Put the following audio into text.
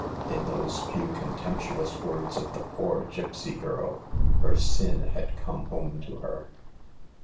In those few contemptuous words of the poor gipsy girl, her sin had come home to her.